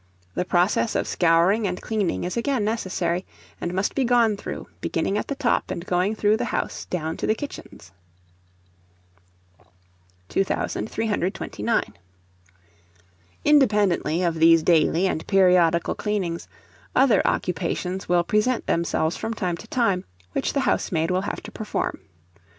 The process of scouring and cleaning is again necessary, and must be gone through, beginning at the top, and going through the house, down to the kitchens. 2329. Independently of these daily and periodical cleanings, other occupations will present themselves from time to time, which the housemaid will have to perform.